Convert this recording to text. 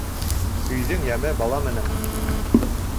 Өйҙөң йәме бала менән